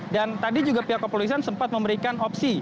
dan tadi juga pihak kepolisian sempat memberikan opsi